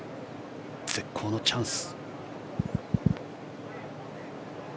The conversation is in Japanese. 絶好のチャンス。